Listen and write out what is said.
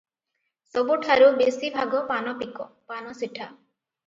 ସବୁଠାରୁ ବେଶି ଭାଗ ପାନପିକ, ପାନସିଠା ।